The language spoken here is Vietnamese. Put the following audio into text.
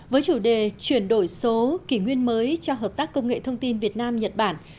với chủ đề chuyển đổi số kỷ nguyên mới cho hợp tác công nghệ thông tin việt nam nhật bản